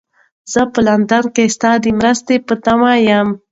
زه په لندن کې ستا د مرستې په تمه یم.